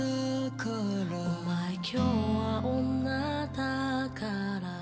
「お前今日は女だから」